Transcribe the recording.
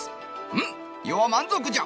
「うん余は満足じゃ。